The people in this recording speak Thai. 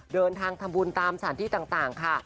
เดินทางทำบุญตามสถานที่ต่างค่ะ